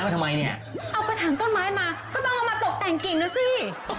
ครั้งนั้นซี่